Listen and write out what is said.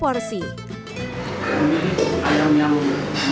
saya memilih ayam yang masih sekar